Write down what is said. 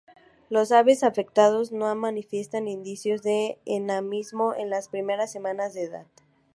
Las aves afectadas no manifiestan indicios de enanismo en las primeras semanas de edad.